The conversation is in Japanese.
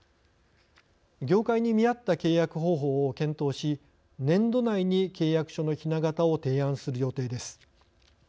業界に見合った契約方法を検討し年度内に契約書のひな型を提案する予定です。